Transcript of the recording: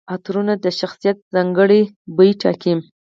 عطرونه د شخصیت ځانګړي بوی ټاکي.